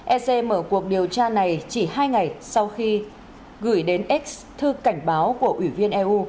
ec mở cuộc điều tra này chỉ hai ngày sau khi gửi đến x thư cảnh báo của ủy viên eu